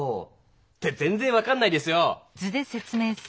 って全ぜん分かんないですよ！